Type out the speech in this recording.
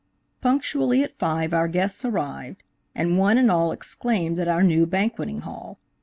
Punctually at five our guests arrived, and one and all exclaimed at our new banqueting hall.